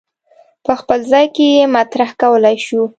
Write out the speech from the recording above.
په خپل ځای کې یې مطرح کولای شو.